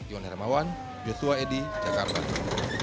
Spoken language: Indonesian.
iwan hermawan joshua edy jakarta